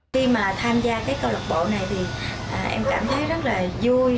khi mà tham gia cái câu lạc bộ này thì em cảm thấy rất là vui